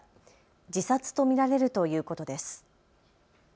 自殺と見られるということです。